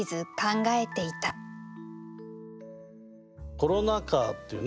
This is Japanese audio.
「コロナ禍」っていうね